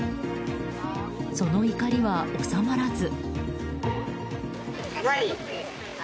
その怒りは収まらず。